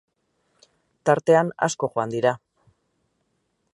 Tartean asko joan dira.